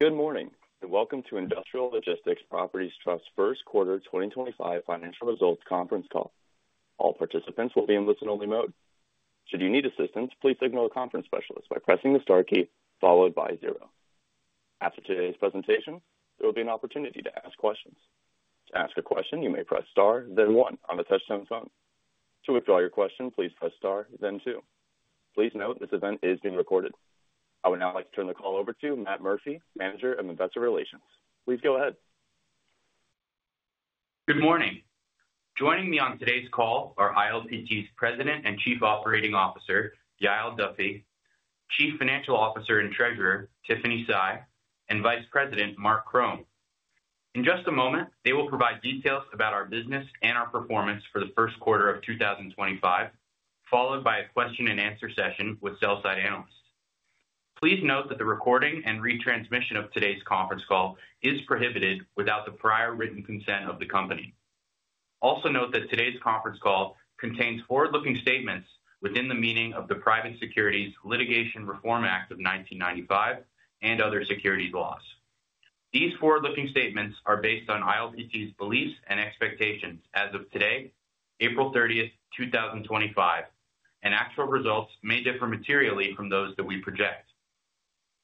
Good morning and welcome to Industrial Logistics Properties Trust First Quarter 2025 Financial Results Conference call. All participants will be in listen-only mode. Should you need assistance, please signal a conference specialist by pressing the star key followed by zero. After today's presentation, there will be an opportunity to ask questions. To ask a question, you may press star then one on the touch-tone phone. To withdraw your question, please press star then two. Please note this event is being recorded. I would now like to turn the call over to Matt Murphy, Manager of Investor Relations. Please go ahead. Good morning. Joining me on today's call are ILPT's President and Chief Operating Officer Yael Duffy, Chief Financial Officer and Treasurer Tiffany Sy, and Vice President Marc Krohn. In just a moment they will provide details about our business and our performance for the first quarter of 2025, followed by a question and answer session with sell-side analysts. Please note that the recording and retransmission of today's conference call is prohibited without the prior written consent of the company. Also note that today's conference call contains forward-looking statements within the meaning of the Private Securities Litigation Reform Act of 1995 and other securities laws. These forward-looking statements are based on ILPT's beliefs and expectations as of today, April 30, 2025, and actual results may differ materially from those that we project.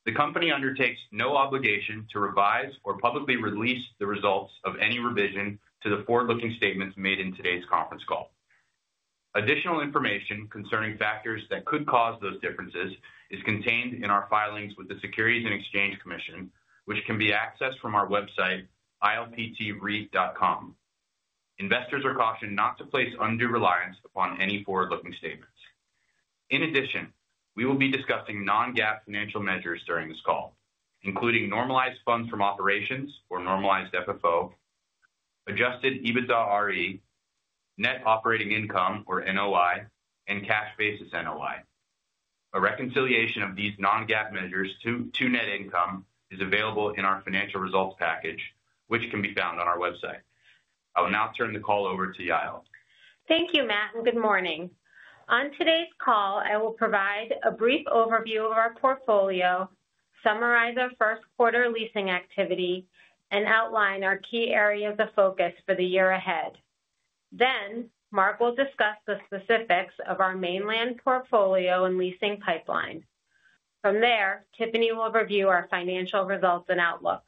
The Company undertakes no obligation to revise or publicly release the results of any revision to the forward-looking statements made in today's conference call. Additional information concerning factors that could cause those differences is contained in our filings with the Securities and Exchange Commission which can be accessed from our website. ilptreit.com investors are cautioned not to place undue reliance upon any forward-looking statements. In addition, we will be discussing non-GAAP financial measures during this call including normalized funds from operations or normalized FFO, adjusted EBITDAre, Net Operating Income or NOI, and cash basis NOI. A reconciliation of these non-GAAP measures to net income is available in our Financial Results package which can be found on our website. I will now turn the call over to Yael. Thank you Matt and good morning. On today's call, I will provide a brief overview of our portfolio, summarize our first quarter leasing activity and outline our key areas of focus for the year ahead. Marc will discuss the specifics of our mainland portfolio and leasing pipeline. From there, Tiffany will review our financial results and outlook.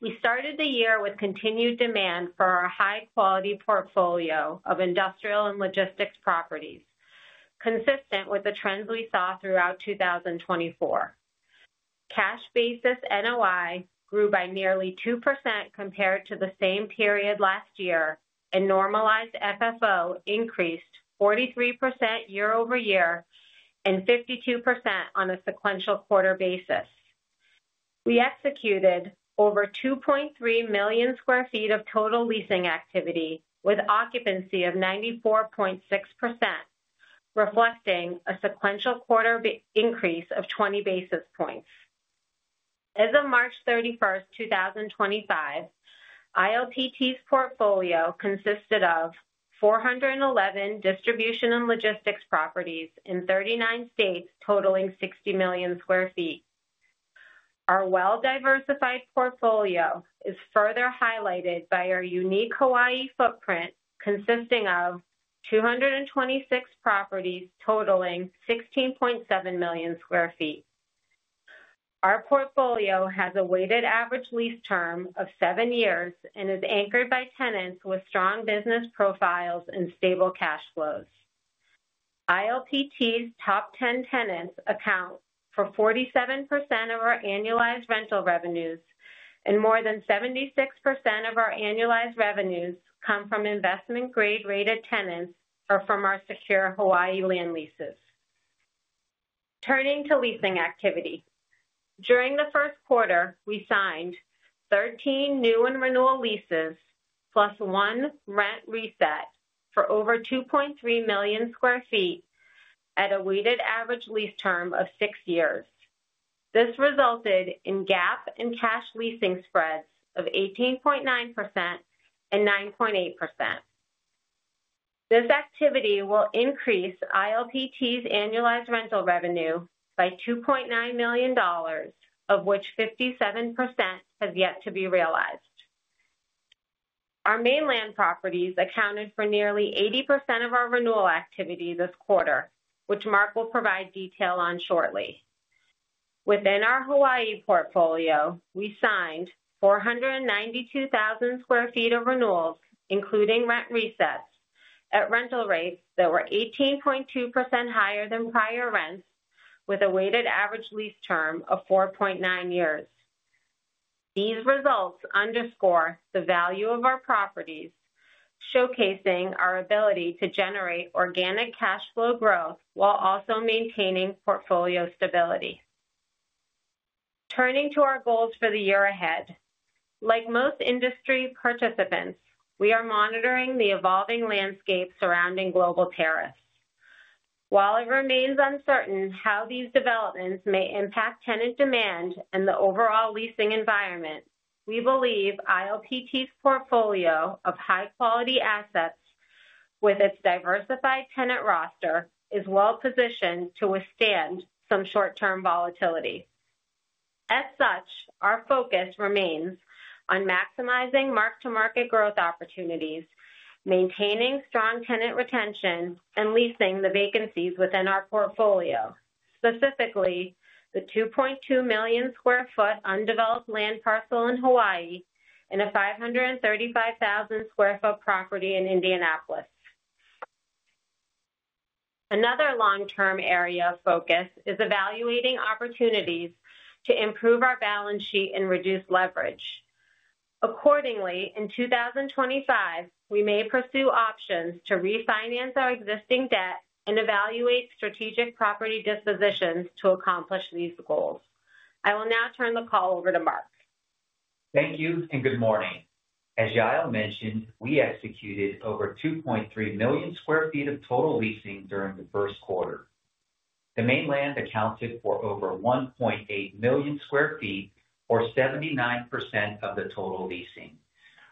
We started the year with continued demand for our high quality portfolio of industrial and logistics properties consistent with the trends we saw throughout 2024. Cash basis NOI grew by nearly 2% compared to the same period last year and Normalized FFO increased 43% year-over-year and 52% on a sequential quarter basis. We executed over 2.3 million square feet of total leasing activity with occupancy of 94.6% reflecting a sequential quarter increase of 20 basis points. As of March 31, 2025, ILPT's portfolio consisted of 411 distribution and logistics properties in 39 states totaling 60 million square feet. Our well diversified portfolio is further highlighted by our unique Hawaii footprint consisting of 226 properties totaling 16.7 million square feet. Our portfolio has a weighted average lease term of 7 years and is anchored by tenants with strong business profiles and stable cash flows. ILPT's top 10 tenants account for 47% of our annualized rental revenues and more than 76% of our annualized revenues come from investment grade rated tenants or from our secure Hawaii land leases. Turning to leasing activity, during the first quarter we signed 13 new and renewal leases plus one rent reset for over 2.3 million square feet at a weighted average lease term of six years. This resulted in GAAP and cash leasing spreads of 18.9% and 9.8%. This activity will increase ILPT's annualized rental revenue by $2.9 million, of which 57% had yet to be realized. Our mainland properties accounted for nearly 80% of our renewal activity this quarter, which Mark will provide detail on shortly. Within our Hawaii portfolio, we signed 492,000 square feet of renewals including rent resets at rental rates that were 18.2% higher than prior rents with a weighted average lease term of 4.9 years. These results underscore the value of our properties, showcasing our ability to generate organic cash flow growth while also maintaining portfolio stability. Turning to our goals for the year ahead, like most industry participants, we are monitoring the evolving landscape surrounding global tariffs. While it remains uncertain how these developments may impact tenant demand and the overall leasing environment, we believe ILPT's portfolio of high quality assets with its diversified tenant roster is well positioned to withstand some short-term volatility. As such, our focus remains on maximizing mark-to-market growth opportunities, maintaining strong tenant retention and leasing the vacancies within our portfolio, specifically the 2.2 million square feet undeveloped land parcel in Hawaii and a 535,000 square feet property in Indianapolis. Another long-term area of focus is evaluating opportunities to improve our balance sheet and reduce leverage. Accordingly, in 2025 we may pursue options to refinance our existing debt and evaluate strategic property dispositions to accomplish these goals. I will now turn the call over to Marc. Thank you and good morning. As Yael mentioned, we executed over 2.3 million square feet of total leasing during the first quarter. The mainland accounted for over 1.8 million square feet or 79% of the total. Leasing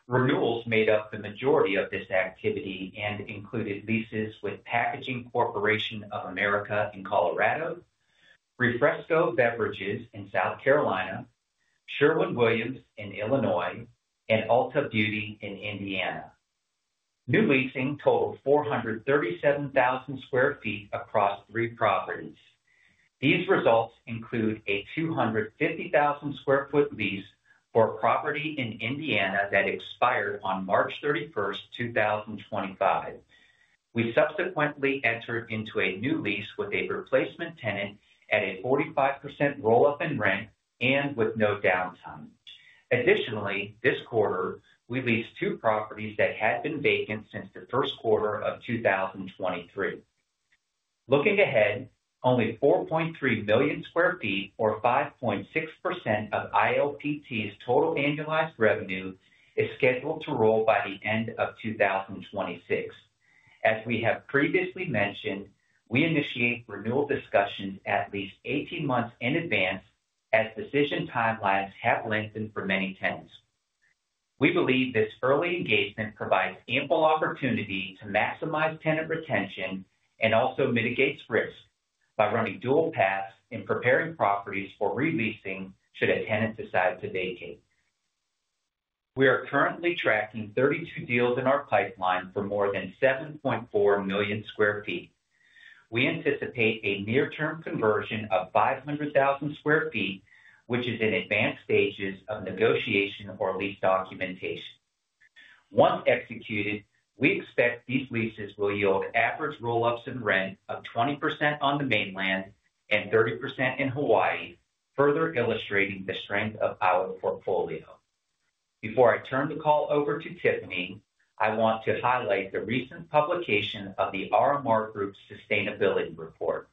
renewals made up the majority of this activity and included leases with Packaging Corporation of America in Colorado, Refresco Beverages in South Carolina, Sherwin-Williams in Illinois and Ulta Beauty in Indiana. New leasing totaled 437,000 square feet across three properties. These results include a 250,000 square feet lease for a property in Indiana that expired on March 31, 2025. We subsequently entered into a new lease with a replacement tenant at a 45% roll-up in rent and with no downtime. Additionally, this quarter we leased two properties that had been vacant since the first quarter of 2023. Looking ahead, only 4.3 million square feet, or 5.6% of ILPT's total annualized revenue, is scheduled to roll by the end of 2026. As we have previously mentioned, we initiate renewal discussions at least 18 months in advance as decision timelines have lengthened for many tenants. We believe this early engagement provides ample opportunity to maximize tenant retention and also mitigates risk by running dual paths in preparing properties for re-leasing should a tenant decide to vacate. We are currently tracking 32 deals in our pipeline for more than 7.4 million square feet. We anticipate a near term conversion of 500,000 square feet which is in advanced stages of negotiation or lease documentation. Once executed, we expect these leases will yield average roll-ups in rent of 20% on the mainland and 30% in Hawaii, further illustrating the strength of our portfolio. Before I turn the call over to Tiffany, I want to highlight the recent publication of the RMR Group Sustainability Report.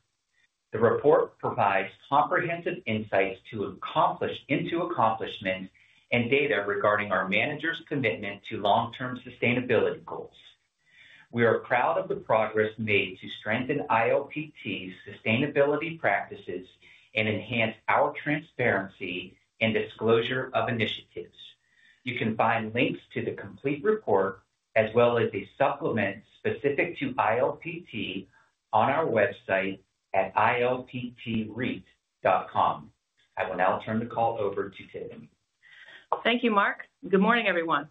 The report provides comprehensive insights into accomplishments and data regarding our manager's commitment to long term sustainability goals. We are proud of the progress made to strengthen ILPT's sustainability practices and enhance our transparency and disclosure of initiatives. You can find links to the complete report as well as a supplement specific to ILPT on our website at ilptreit.com. I will now turn the call over to Tiffany. Thank you, Marc. Good morning everyone.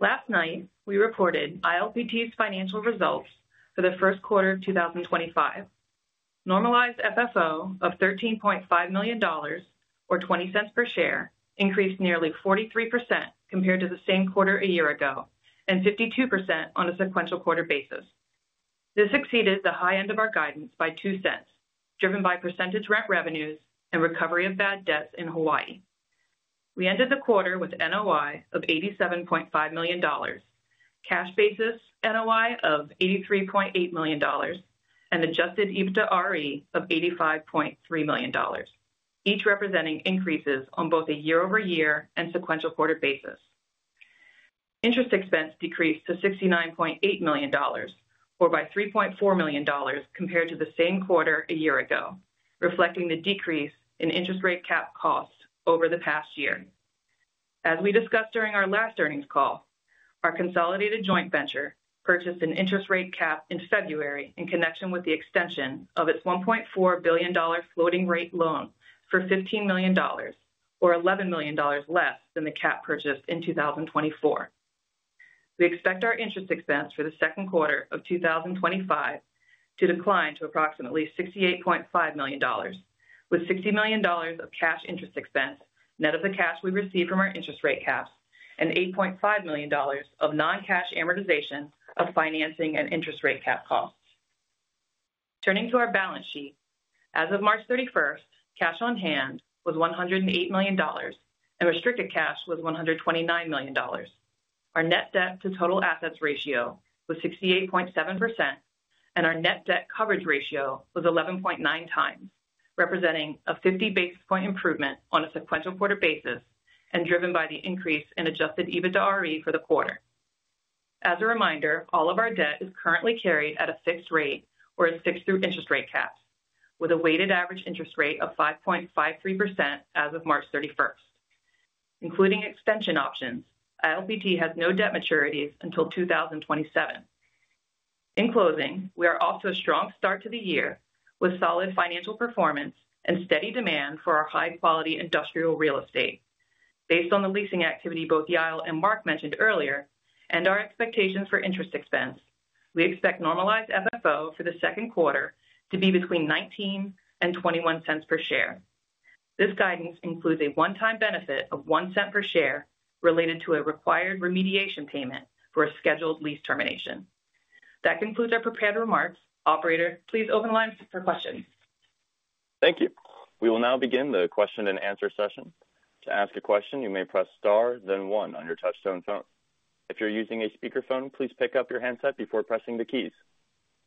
Last night we reported ILPT's financial results for the first quarter of 2025. Normalized FFO of $13.5 million or $0.20 per share, increased nearly 43% compared to the same quarter a year ago and 52% on a sequential quarter basis. This exceeded the high end of our guidance by $0.02, driven by percentage rent revenues and recovery of bad debts in Hawaii. We ended the quarter with NOI of $87.5 million, cash basis NOI of $83.8 million and adjusted EBITDAre of $85.3 million, each representing increases on both a year-over-year and sequential quarter basis. Interest expense decreased to $69.8 million or by $3.4 million compared to the same quarter a year ago, reflecting the decrease in interest rate cap costs over the past year. As we discussed during our last earnings call, our consolidated joint venture purchased an interest rate cap in February in connection with the extension of its $1.4 billion floating rate loan for $15 million or $11 million less than the cap purchased in 2024. We expect our interest expense for the second quarter of 2025 to decline to approximately $68.5 million with $60 million of cash interest expense net of the cash we received from our interest rate caps and $8.5 million of non-cash amortization of financing and interest rate cap costs. Turning to our balance sheet, as of March 31, cash on hand was $108 million and restricted cash was $129 million. Our net debt to total assets ratio was 68.7% and our net debt coverage ratio was 11.9 times, representing a 50 basis point improvement on a sequential quarter basis and driven by the increase in adjusted EBITDAre for the quarter. As a reminder, all of our debt is currently carried at a fixed rate or as fixed through interest rate caps. With a weighted average interest rate of 5.53% as of March 31 including extension options, ILPT has no debt maturities until 2027. In closing, we are off to a strong start to the year with solid financial performance and steady demand for our high quality industrial real estate. Based on the leasing activity both Yael and Marc mentioned earlier and our expectations for interest expense, we expect normalized FFO for the second quarter to be between $0.19 and $0.21 per share. This guidance includes a one-time benefit of $0.01 per share related to a required remediation payment for a scheduled lease termination. That concludes our prepared remarks. Operator, please open the line for questions. Thank you. We will now begin the question and answer session. To ask a question, you may press star then one on your touch-tone phone. If you're using a speakerphone, please pick up your handset before pressing the keys.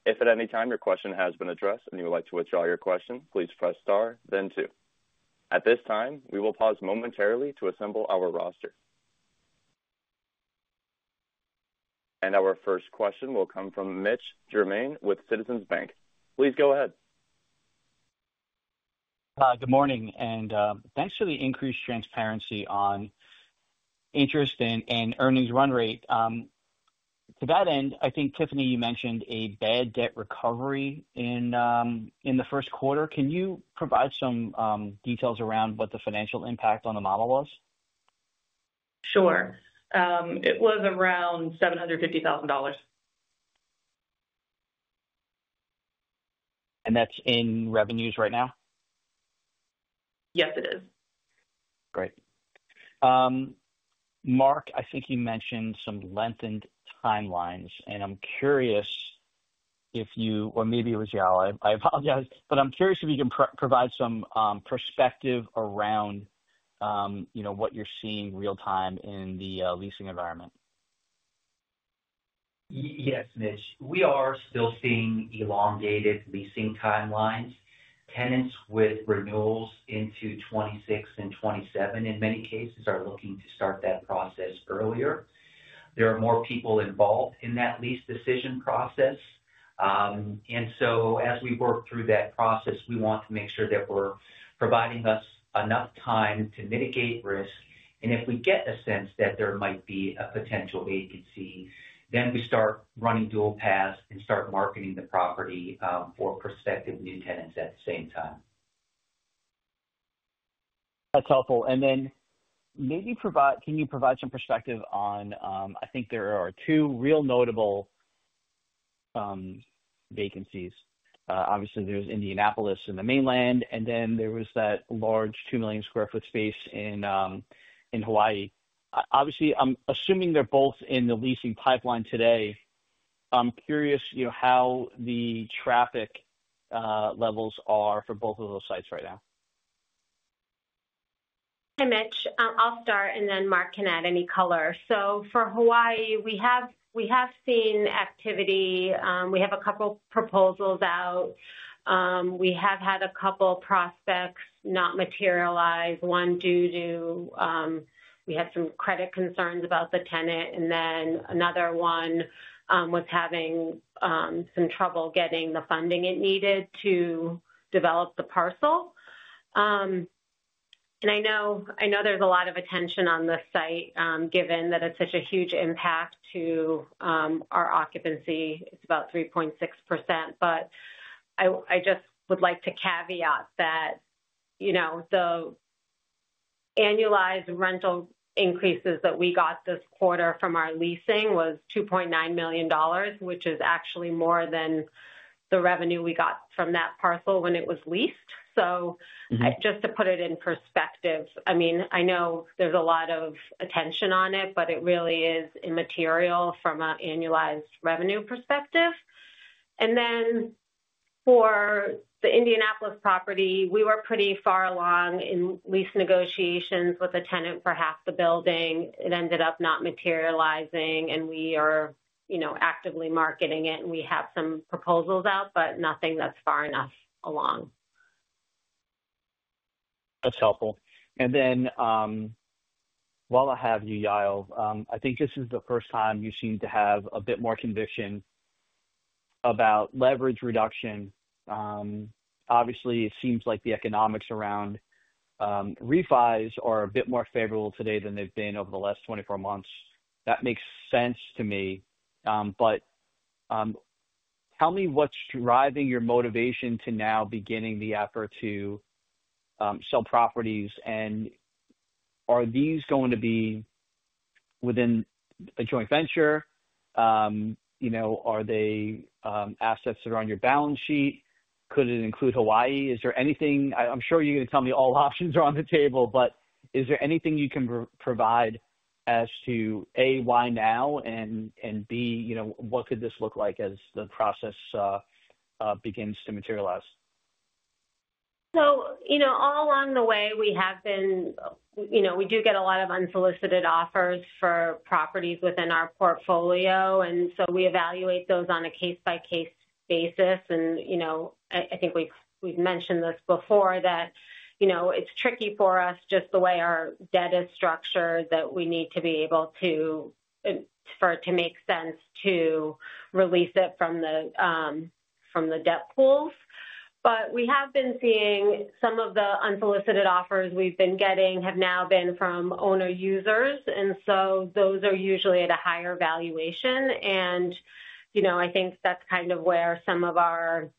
If at any time your question has been addressed and you would like to withdraw your question, please press star then two. At this time, we will pause momentarily to assemble our roster. Our first question will come from Mitchell Germain with Citizens Bank. Please go ahead. Good morning and thanks for the increased transparency on interest and earnings run rate. To that end, I think, Tiffany, you mentioned a bad debt recovery in the first quarter. Can you provide some details around what the financial impact on the model was? Sure. It was around $750,000. That is in revenues right now. Yes, it is. Great. Marc, I think you mentioned some lengthened timelines, and I'm curious if you. Or maybe it was Yael I apologize. I'm curious if you can provide some perspective around, you know, what you're seeing real time in the leasing environment. Yes, Mitch, we are still seeing elongated leasing timelines. Tenants with renewals into 2026 and 2027 in many cases are looking to start that process earlier. There are more people involved in that lease decision process. As we work through that process, we want to make sure that we're providing us enough time to mitigate risk. If we get a sense that there might be a potential vacancy, then we start running dual paths and start marketing the property for prospective new tenants at the same time. That's helpful. Maybe provide, can you provide some perspective on, I think there are two real notable. Vacancies. Obviously, there's Indianapolis in the mainland, and then there was that large 2 million square feet space in Hawaii. Obviously, I'm assuming they're both in the leasing pipeline today. I'm curious how the traffic levels are for both of those sites right now. Hi, Mitch. I'll start and then Marc can add any color. For Hawaii, we have seen activity. We have a couple proposals out. We have had a couple prospects not materialize. One due to we had some credit concerns about the tenant, and another one was having some trouble getting the funding it needed to develop the parcel. I know there's a lot of attention on this site, given that it's such a huge impact to our occupancy. It's about 3.6%. I just would like to caveat that, you know, the annualized rental increases that we got this quarter from our leasing was $2.9 million, which is actually more than the revenue we got from. That parcel when it was leased. Just to put it in perspective, I mean, I know there's a lot of attention on it, but it really is immaterial from an annualized revenue perspective. Then for the Indianapolis property, we were pretty far along in lease negotiations with a tenant for half the building. It ended up not materializing. We are, you know, actively marketing it and we have some proposals out, but nothing that's far enough along. That's helpful. While I have you, Yael, I think this is the first time you seem to have a bit more conviction about leverage reduction. Obviously it seems like the economics around refis are a bit more favorable today than they've been over the last 24 months. That makes sense to me. Tell me what's driving your motivation to now beginning the effort to sell properties and are these going to be within a joint venture? You know, are they assets that are on your balance sheet? Could it include Hawaii? Is there anything, I'm sure you're going to tell me all options are on the table, but is there anything you can provide as to A, why now? B, you know, what could this. Look like as the process begins to materialize? You know, all along the way we have been, you know, we do get a lot of unsolicited offers for properties within our portfolio and you know, we evaluate those on a case by case basis. You know, I think we, we've mentioned this before that you know, it's. Tricky for us just the way our. Debt is structured that we need to be able to, for it to make sense to release it from the, from the debt pools. We have been seeing some of. The unsolicited offers we've been getting have. Now been from owner-users and so. Those are usually at a higher valuation. You know, I think that's kind of where some of our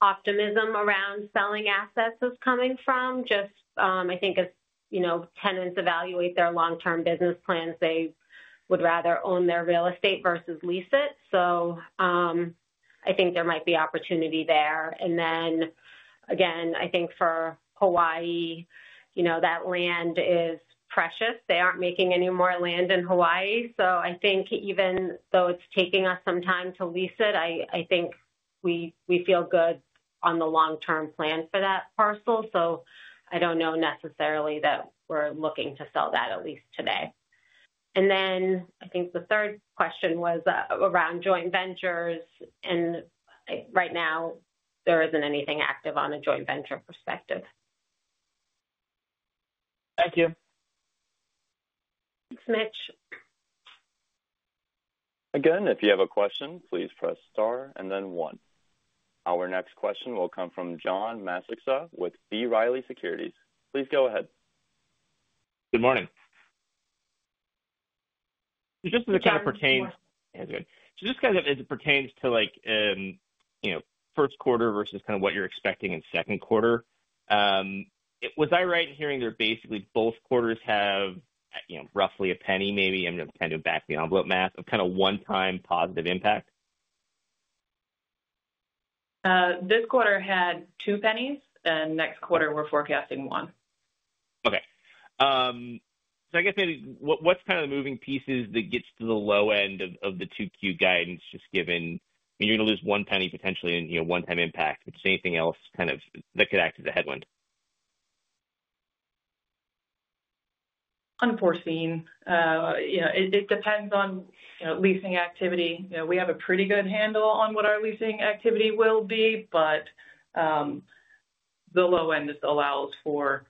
optimism around. Selling assets is coming from. Just I think as you know, tenants evaluate their long term business plans, they. Would rather own their real estate versus lease it. I think there might be opportunity there. I think for Hawaii, you know, that land is precious. They are not making any more land in Hawaii. I think even though it is taking us some time to lease it, I think we feel good on the long term plan for that parcel. I do not know necessarily that we are looking to sell that at least today. I think the third question. Was around joint ventures and right now there isn't anything active on a joint venture perspective. Thank you. Thanks, Mitch. Again, if you have a question, please press star and then one. Our next question will come from John Massocca with B. Riley Securities. Please go ahead. Good morning. Just as it kind of pertains so. Just kind of as it pertains to, like, you know, first quarter versus kind of what you're expecting in second quarter. Was I right in hearing they're basically both quarters have, you know, roughly a penny, maybe I'm just kind of back of the envelope math of kind of one time positive impact. This quarter had two pennies and next quarter we're forecasting one. Okay, I guess maybe what's kind of the moving pieces that gets to the low end of the 2Q guidance just given, you're going to lose one penny potentially in one time impact. Anything else kind of that could act as a headwind? Unforeseen. You know, it depends on leasing activity. We have a pretty good handle on what our leasing activity will be, but the low end just allows for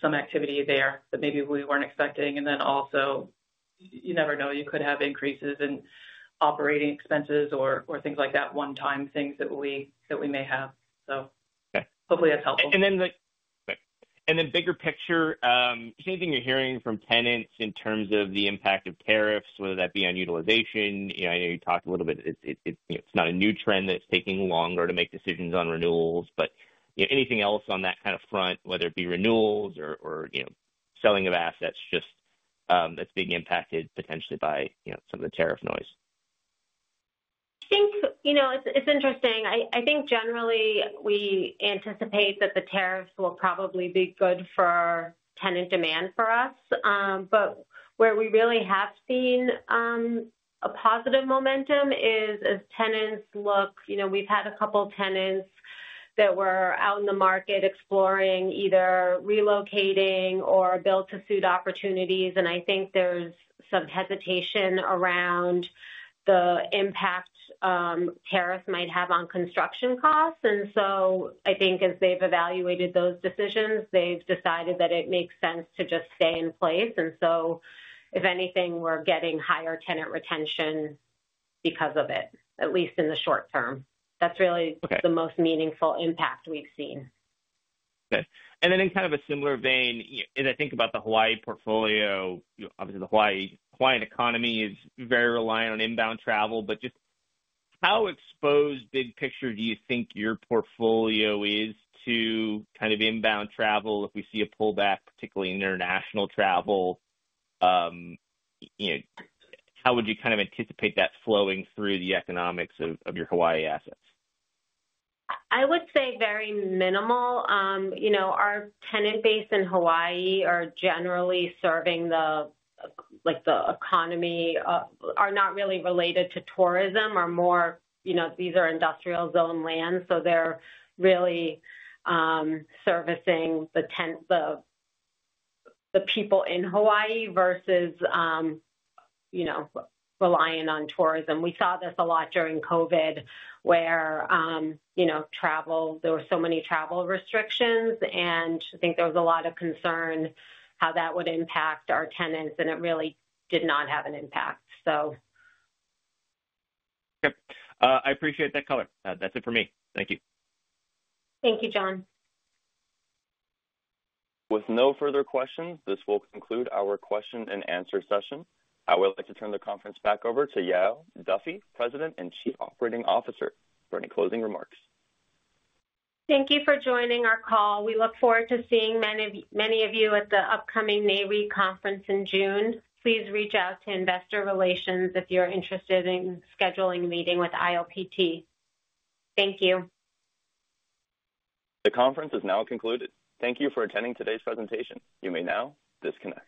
some activity there that maybe we were not expecting. You never know. You could have increases in operating expenses or things like that one time things that we may have. Hopefully that's helpful. Bigger picture, same thing you're hearing from tenants in terms of the impact of tariffs, whether that be on utilization. I know you talked a little bit. It's not a new trend that's taking longer to make decisions on renewals. Anything else on that kind of front, whether it be renewals or selling of assets, just that's being impacted potentially by some of the tariff noise. I think it's interesting. I think generally we anticipate that the. Tariffs will probably be good for tenant demand for us. Where we really have seen a positive momentum is as tenants. Look, we've had a couple of tenants that were out in the market exploring either relocating or build-to-suit opportunities. I think there's some hesitation around the impact tariffs might have on construction costs. I think as they've evaluated those decisions, they've decided that it makes sense to just stay in place. If anything, we're getting higher tenant retention because of it, at least in the short-term. That's really the most meaningful impact we've seen. In kind of a similar vein, as I think about the Hawaii portfolio, obviously the Hawaiian economy is very reliant on inbound travel. Just how exposed big picture do you think your portfolio is to kind of inbound travel? If we see a pullback, particularly international travel, how would you kind of anticipate that flowing through the economics of your Hawaii assets? I would say very minimal. Our tenant base in Hawaii are generally serving the, like, the economy, are not really related to tourism or more, you know, these are industrial zone lands. So they're really servicing the, the people in Hawaii versus, you know, relying on tourism. We saw this a lot during COVID where, you know, travel, there were so many travel restrictions and I think there was a lot of concern how that would impact our tenants and it really did not have an impact. So. I appreciate that. Color. That's it for me. Thank you. Thank you, John. With no further questions, this will conclude our question and answer session. I would like to turn the conference back over to Yael Duffy, President and Chief Operating Officer, for any closing remarks. Thank you for joining our call. We look forward to seeing many of you. You at the upcoming Nareit conference in June. Please reach out to Investor Relations if you're interested in scheduling a meeting with ILPT. Thank you. The conference is now concluded. Thank you for attending today's presentation. You may now disconnect.